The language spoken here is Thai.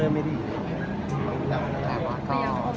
ไม่ได้อยู่